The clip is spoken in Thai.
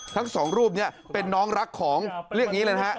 ทั้งสองรูปนี้เป็นน้องรักของเรียกอย่างนี้เลยนะฮะ